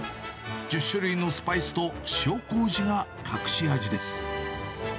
１０種類のスパイスと、塩こうじが隠し味です。